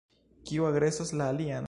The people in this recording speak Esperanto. Kiu agresos la alian?